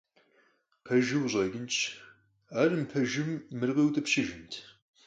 Пэжу къыщӀэкӀынщ, ар мыпэжым мыр къиутӀыпщыжынт?